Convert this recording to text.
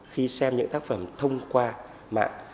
khi xem những tác phẩm thông qua mạng